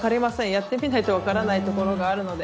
やってみないと分からないところがあるので。